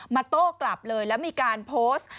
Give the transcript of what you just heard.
โต้กลับเลยแล้วมีการโพสต์